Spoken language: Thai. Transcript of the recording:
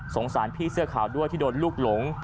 สารพี่เสื้อขาวด้วยที่โดนลูกหลง